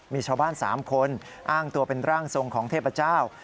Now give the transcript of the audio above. มีชาวบ้าน๓คนอ้างตัวเป็นร่างทรงของเทพเจ้า